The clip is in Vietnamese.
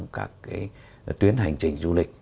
các cái tuyến hành trình du lịch